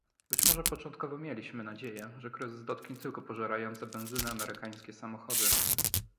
Być może początkowo mieliśmy nadzieję, że kryzys dotknie tylko pożerające benzynę amerykańskie samochody